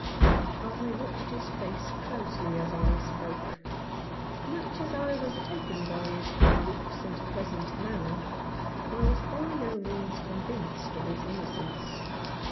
I watched his face closely as I spoke. Much as I was taken by his good looks, and pleasant manner, I was by no means convinced of his innocence.